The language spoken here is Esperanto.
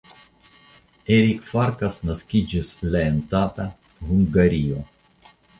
Erik Farkas naskiĝis la en Tata (Hungario).